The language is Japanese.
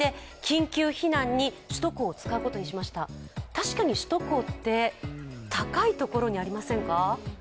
確かに首都高って、高いところにありませんか？